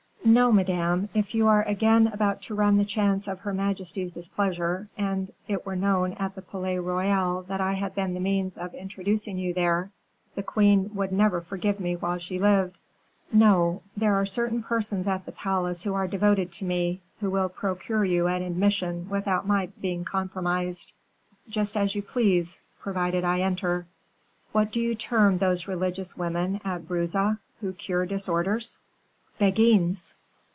"No, madame; if you are again about to run the chance of her majesty's displeasure, and it were known at the Palais Royal that I had been the means of introducing you there, the queen would never forgive me while she lived. No; there are certain persons at the palace who are devoted to me, who will procure you an admission without my being compromised." "Just as you please, provided I enter." "What do you term those religious women at Bruges who cure disorders?" "Beguines."